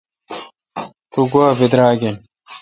تو گوا براگ این